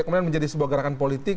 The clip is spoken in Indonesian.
kemudian menjadi sebuah gerakan politik